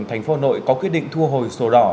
thành phố hà nội có quyết định thu hồi sổ đỏ